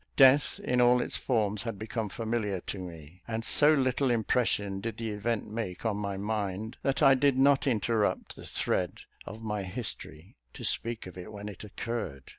Death in all its forms had become familiar to me; and so little impression did the event make on my mind, that I did not interrupt the thread of my history to speak of it when it occurred.